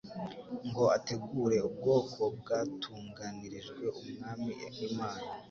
ngo ategure ubwoko bwatunganirijwe Umwami Imana.''